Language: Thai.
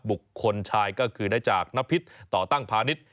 บุคคลชายก็คือได้จากนพิษต่อตั้งพาณิชย์